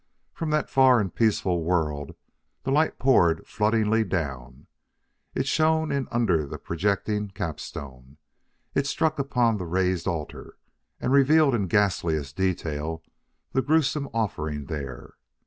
From that far and peaceful world the light poured floodingly down; it shone in under the projecting capstone; it struck upon the raised altar and revealed in ghastliest detail the gruesome offering there.